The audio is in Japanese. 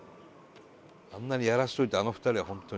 あんなにやらせておいてあの２人は本当に。